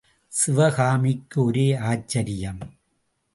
சிவகாமிக்கு ஒரே ஆச்சரியம்.